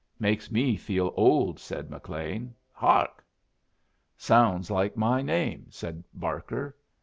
"Makes me feel old," said McLean. "Hark!" "Sounds like my name," said Barker.